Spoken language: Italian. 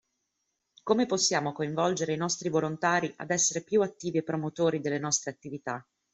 Come possiamo coinvolgere i nostri volontari ad essere più attivi e promotori delle nostre attività?